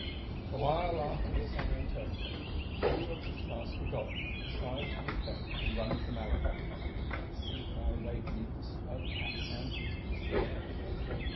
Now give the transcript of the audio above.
A while after the San Antonio, two of whose masts were gone, tried to put about and run for Malaga, which they could see far away beneath the snow capped mountains of the Sierra.